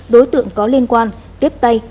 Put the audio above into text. đối tượng có liên quan tiếp tay